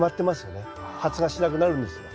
発芽しなくなるんですよ。